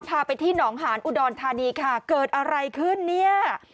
พาไปที่หนองหานอุดรธานีค่ะเกิดอะไรขึ้นเนี่ย